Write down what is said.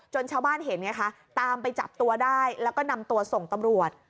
ชาวบ้านเห็นไงคะตามไปจับตัวได้แล้วก็นำตัวส่งตำรวจ